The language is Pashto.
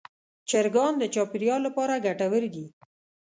چرګان د چاپېریال لپاره ګټور دي.